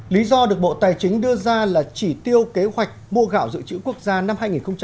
lý do được bộ tài chính đưa ra là chỉ tiêu kế hoạch mua gạo dự trữ quốc gia năm hai nghìn hai mươi